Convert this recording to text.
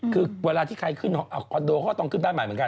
คือเวลาที่ใครขึ้นคอนโดเขาก็ต้องขึ้นบ้านใหม่เหมือนกัน